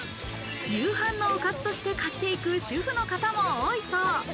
夕飯のおかずとして買っていく主婦の方も多いそう。